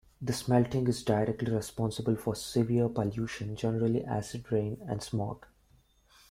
The smelting is directly responsible for severe pollution, generally acid rain and smog.